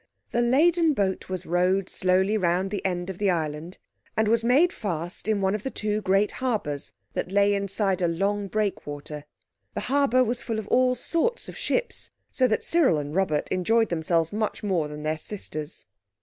The laden boat was rowed slowly round the end of the island, and was made fast in one of the two great harbours that lay inside a long breakwater. The harbour was full of all sorts of ships, so that Cyril and Robert enjoyed themselves much more than their sisters.